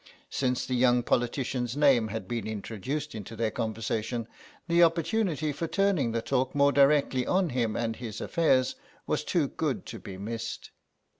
Since the young politician's name had been introduced into their conversation the opportunity for turning the talk more directly on him and his affairs was too good to be missed.